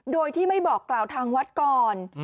โดยที่ไม่บอกกล่าวทางวัดก่อน